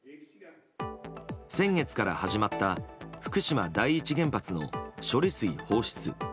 先月から始まった福島第一原発の処理水放出。